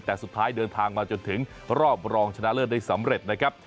แต่สุดท้ายเดินทางมาจนถึงรอบรองชนะเลิศได้สำเร็จนะครับ